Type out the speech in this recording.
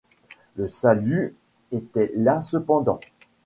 Le salut était là cependant!